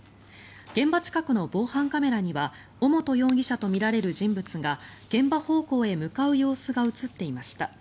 現場近くの防犯カメラには尾本容疑者とみられる人物が現場方向へ向かう様子が映っていました。